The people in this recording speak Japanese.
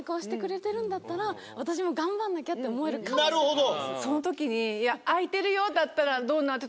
なるほど。